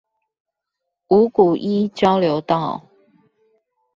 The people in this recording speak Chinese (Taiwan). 五股一交流道